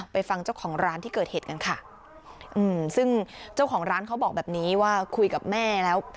ฟังเจ้าของร้านที่เกิดเหตุกันค่ะอืมซึ่งเจ้าของร้านเขาบอกแบบนี้ว่าคุยกับแม่แล้ว